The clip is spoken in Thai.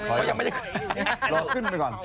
เดี๋ยวไม่ได้ไม่ใช่รอขึ้นไปก่อน